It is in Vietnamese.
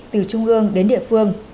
từ trung ương đến địa phương